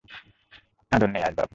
আদর নেই, আসবাব!